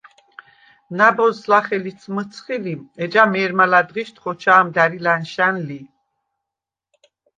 ნა̈ბოზს ლახე ლიც მჷცხი ლი, ეჯა მე̄რმა ლა̈დღიშდ ხოჩა̄მ და̈რი ლა̈ნშა̈ნ ლი.